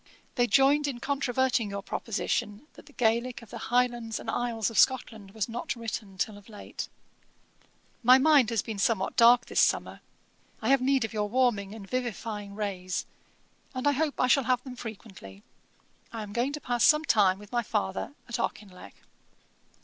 They joined in controverting your proposition, that the Gaelick of the Highlands and Isles of Scotland was not written till of late.' 'My mind has been somewhat dark this summer. I have need of your warming and vivifying rays; and I hope I shall have them frequently. I am going to pass some time with my father at Auchinleck.'